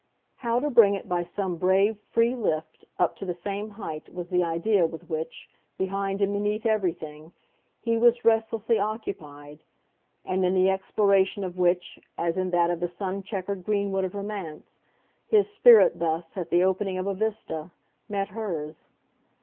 How to bring it, by some brave, free lift, up to the same height was the idea with which, behind and beneath everything, he was restlessly occupied, and in the exploration of which, as in that of the sun chequered greenwood of romance, his spirit thus, at the opening of a vista, met hers.